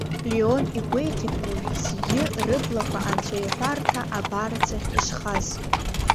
Леон игәеиҭеит уажә зегьы рыблақәа анцәаиҳәарҭа абарҵахь ишхаз.